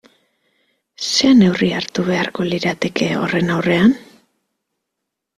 Zer neurri hartu beharko lirateke horren aurrean?